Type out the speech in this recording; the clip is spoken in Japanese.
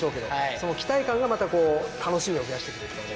その期待感がまたこう楽しみを増やしてくれるというか。